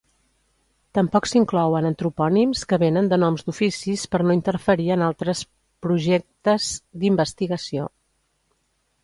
Tampoc s'inclouen antropònims que vénen de noms d'oficis per no interferir en altres projectes d'investigació.